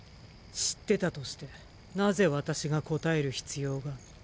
知ってたとしてなぜ私が答える必要が？